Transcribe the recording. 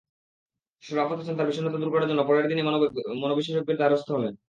শরাফত হোসেন তার বিষণ্নতা দূর করার জন্য পরের দিনই মনোবিশেষজ্ঞের দ্বারস্থ হলেন।